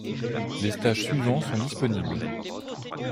Les stages suivant sont disponibles.